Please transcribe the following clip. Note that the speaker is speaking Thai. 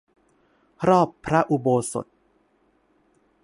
รอบพระอุโบสถ